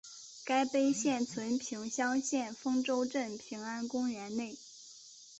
该碑现存平乡县丰州镇平安公园内。